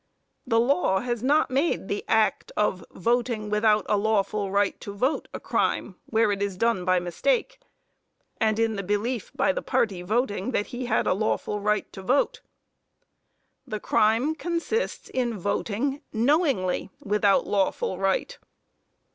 The law has not made the act of voting without a lawful right to vote, a crime, where it is done by mistake, and in the belief by the party voting that he has the lawful right to vote. The crime consists in voting "knowingly," without lawful right.